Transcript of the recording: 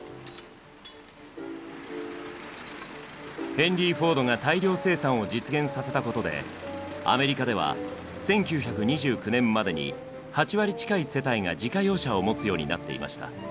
ヘンリー・フォードが大量生産を実現させたことでアメリカでは１９２９年までに８割近い世帯が自家用車を持つようになっていました。